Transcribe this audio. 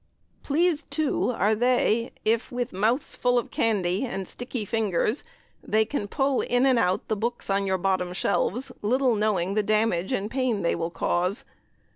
Pleased, too, are they, if, with mouths full of candy, and sticky fingers, they can pull in and out the books on your bottom shelves, little knowing the damage and pain they will cause.